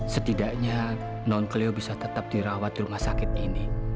setidaknya non kelio bisa tetap dirawat di rumah sakit ini